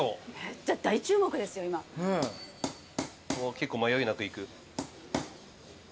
結構迷いなくいく。